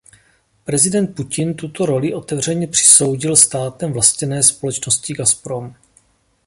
Prezident Putin tuto roli otevřeně přisoudil státem vlastněné společnosti Gazprom.